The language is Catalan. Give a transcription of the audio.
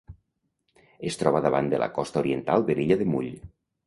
Es troba davant de la costa oriental de l'illa de Mull.